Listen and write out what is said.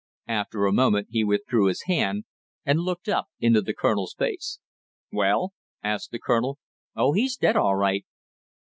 After a moment he withdrew his hand and looked, up into the colonel's face. "Well?" asked the colonel. "Oh, he's dead, all right!"